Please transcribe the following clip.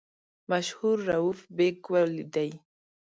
مشهور رووف بېګ ولیدی.